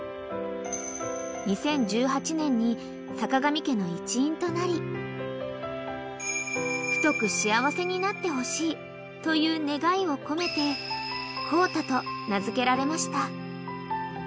［２０１８年に坂上家の一員となり太く幸せになってほしいという願いを込めて幸太と名付けられました］